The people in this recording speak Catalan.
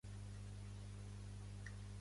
És apagat i llòbrec.